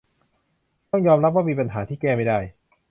ต้องยอมรับว่ามีปัญหาที่แก้ไม่ได้